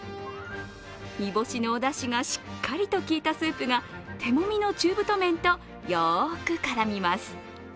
煮干しのおだしがしっかりときいたスープが手もみの中太麺としっかり絡みます。